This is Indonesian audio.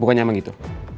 bukannya ama gitu